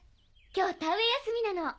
今日田植え休みなの。